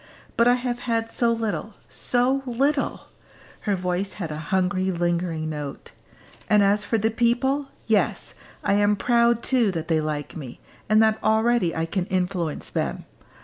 But I have had so little so little!" Her voice had a hungry lingering note. "And as for the people, yes, I am proud too that they like me, and that already I can influence them.